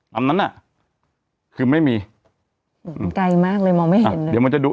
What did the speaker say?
อันนั้นน่ะคือไม่มีมันไกลมากเลยมองไม่เห็นเลยเดี๋ยวมันจะดู